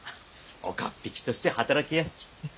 岡っ引きとして働きやす。